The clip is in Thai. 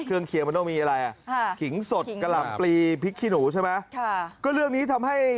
เครื่องเครียมมันต้องมีอะไร